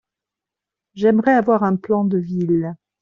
J'aimerais avoir un plan de ville.